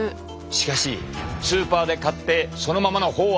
しかしスーパーで買ってそのままの方は。